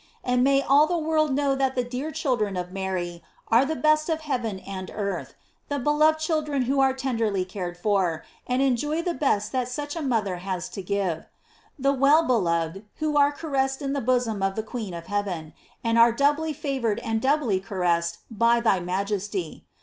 And may all the world know that the dear children of Mary are the best of heaven and earth; the beloved children who are tenderly cared for, and enjoy the best that such a mother has to give; the well beloved, who are caressed in the bosom of the queen of heaven, and are doubly favored and doubly caressed by thy majesty.